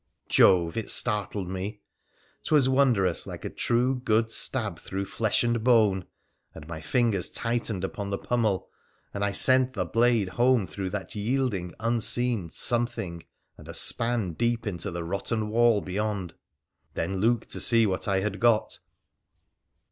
Jove I it startled me ! 'Twas wondrous like a true, good stab through flesh and bone ; and my fingers tightened upon the pummel, and I sent the blade home through that yielding, unseen ' something,' and a span deep into the rotten wall beyond ; then looked to see what I had got.